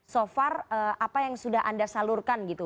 so far apa yang sudah anda salurkan gitu